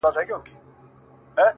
• تش یو پوست وو پر هډوکو غوړېدلی,